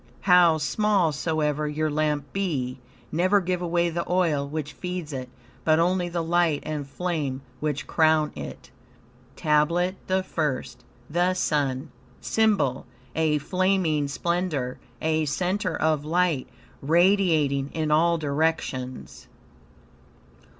"How small soever your lamp be, never give away the oil which feeds it, but only the light and flame, which crown it." TABLET THE FIRST The Sun SYMBOL A flaming splendor, a center of light, radiating in all directions.